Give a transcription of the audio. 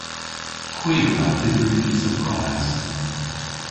Hwi a wra dybri pizza bras.